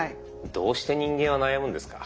どうして人間は悩むんですか？